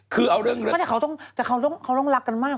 คือเอาเรื่องแต่เขาต้องรักกันมาก